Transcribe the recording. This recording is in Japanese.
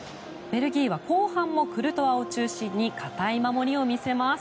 ベルギーは後半もクルトワを中心に堅い守りを見せます。